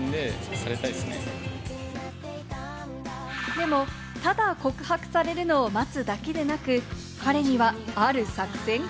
でも、ただ告白されるのを待つだけでなく、彼にはある作戦が。